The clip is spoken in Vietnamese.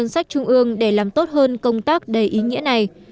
sách trung ương để làm tốt hơn công tác đầy ý nghĩa này